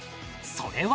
それは